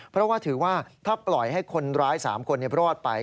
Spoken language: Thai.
เพราะว่าถือว่าถ้าปล่อยให้คนร้าย๓คนรอดไป